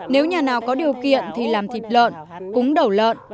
nếu nhà nào có điều kiện thì làm thịt lợn cúng đầu lợn